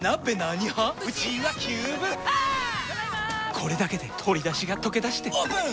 これだけで鶏だしがとけだしてオープン！